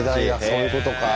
そういうことか。